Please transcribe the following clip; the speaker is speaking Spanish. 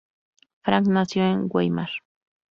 Franck nació en Weimar.